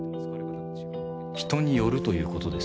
「人によるということです」